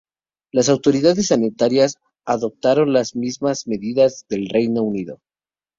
Las autoridades sanitarias adoptaron las mismas medidas del Reino Unido.